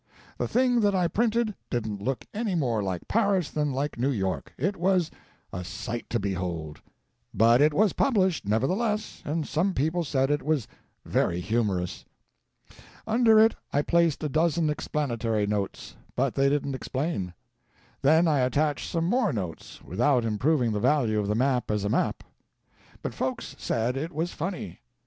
The thing that I printed didn't look any more like Paris than like New York; it was a sight to behold. But it was published, nevertheless, and some people said it was very humorous. Under it I placed a dozen explanatory notes, but they didn't explain. Then I attached some more notes, without improving the value of the map as a map. But folks said it was funny.